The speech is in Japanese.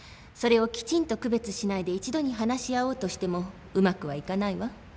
それをきちんと区別しないで一度に話し合おうとしてもうまくはいかないわ。